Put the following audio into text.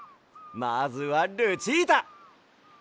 まずはルチータ！